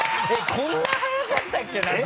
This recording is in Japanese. こんなに早かったっけ？泣くの。